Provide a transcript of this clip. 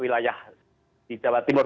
wilayah di jawa timur